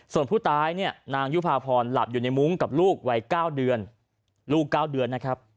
ส่วนผู้ตายนางยุภาพรหลับอยู่ในมุ้งกับลูกวัย๙เดือน